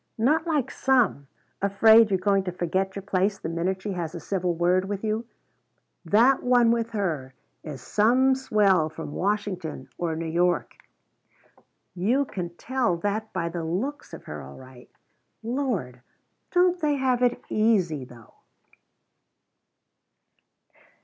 Not like some, afraid you're going to forget your place the minute she has a civil word with you. That one with her is some swell from Washington or New York. You can tell that by the looks of her, all right. Lord, don't they have it easy though?"